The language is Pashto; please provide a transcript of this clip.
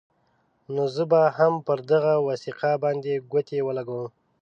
نو زه به هم پر دغه وثیقه باندې ګوتې ولګوم.